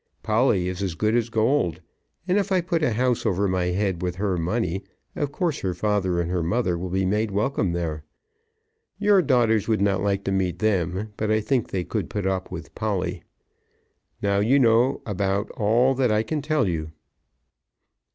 Polly is as good as gold; and if I put a house over my head with her money, of course her father and her mother will be made welcome there. Your daughters would not like to meet them, but I think they could put up with Polly. Now you know about all that I can tell you."